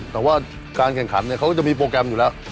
แต่การเก่งขันมีโปรแกรมอยู่แล้ว